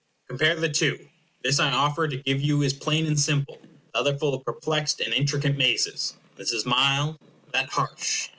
Compare the two. This I offer to give you is plain and simple. The other full of perplexed and intricate mazes. This is mild; that harsh.